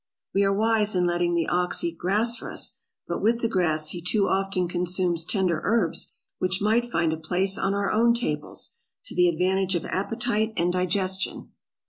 We are wise in letting the ox eat grass for us, but with the grass he too often consumes tender herbs which might find a place on our own tables, to the advantage of appetite and digestion.